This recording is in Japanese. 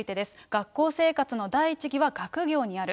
学校生活の第一義は学業にある。